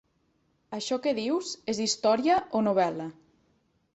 Això que dius, és història o novel·la?